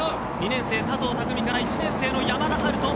２年生、佐藤匠から１年生の山田陽翔。